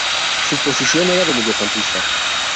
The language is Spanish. Su posición era de mediocampista.